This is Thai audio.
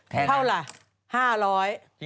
เท่าไหร่